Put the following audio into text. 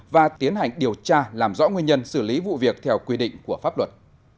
và tiến hành điều tra làm rõ nguyên nhân xử lý vụ việc theo quy định của pháp luật